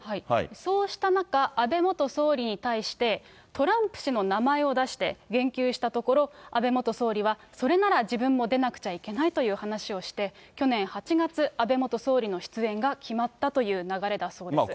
そうした中、安倍元総理に対して、トランプ氏の名前を出して言及したところ、安倍元総理はそれなら自分も出なくちゃいけないという話をして、去年８月、安倍元総理の出演が決まったという流れだそうです。